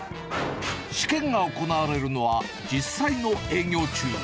試験が行われるのは、実際の営業中。